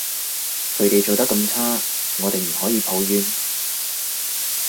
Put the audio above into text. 佢哋做得咁差，我哋唔可以抱怨？